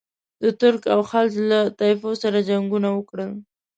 د ترک او خلج له طایفو سره جنګونه وکړل.